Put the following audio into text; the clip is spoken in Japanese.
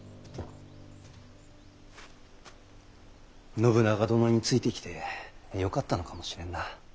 信長殿についてきてよかったのかもしれんな。